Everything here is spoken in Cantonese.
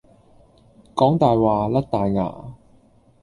講大話，甩大牙